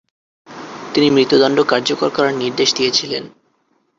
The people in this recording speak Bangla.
তিনি মৃত্যুদণ্ড কার্যকর করার নির্দেশ দিয়েছিলেন।